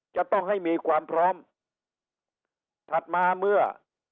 จะต้องให้มีความพร้อมถัดมาเมื่อ